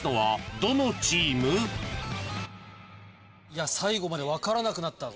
いや最後まで分からなくなったぞ。